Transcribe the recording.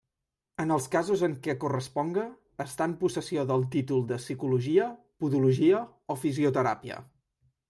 En els casos en què corresponga, estar en possessió del títol de Psicologia, Podologia o Fisioteràpia.